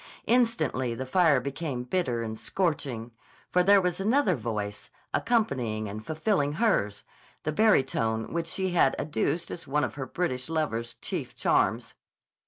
Instantly the fire became bitter and scorching. For there was another voice, accompanying and fulfilling hers, the barytone which she had adduced as one of her British lover's chief charms.